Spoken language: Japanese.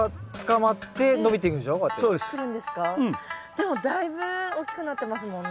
でもだいぶ大きくなってますもんね。